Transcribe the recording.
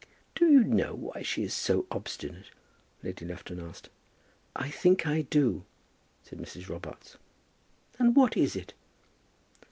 "Do you know why she is so obstinate?" Lady Lufton asked. "I think I do," said Mrs. Robarts. "And what is it?"